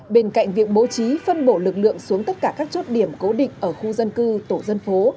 bên cạnh việc bố trí phân bổ lực lượng xuống tất cả các chốt điểm cố định ở khu dân cư tổ dân phố